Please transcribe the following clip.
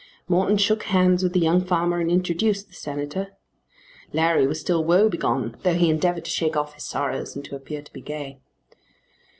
Morton shook hands with the young farmer and introduced the Senator. Larry was still woe begone though he endeavoured to shake off his sorrows and to appear to be gay.